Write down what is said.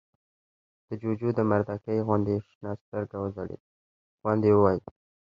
د جُوجُو د مردکۍ غوندې شنه سترګه وځلېده، په خوند يې وويل: